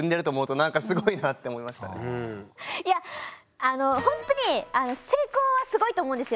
いやほんとに成功はすごいと思うんですよ。